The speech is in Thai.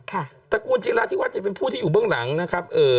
ตระกูลจิราธิวัฒน์เป็นผู้ที่อยู่เบื้องหลังนะครับเอ่อ